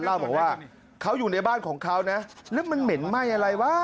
เล่าบอกว่าเขาอยู่ในบ้านของเขานะแล้วมันเหม็นไหม้อะไรวะ